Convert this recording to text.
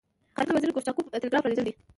خارجه وزیر ګورچاکوف ټلګراف را لېږلی دی.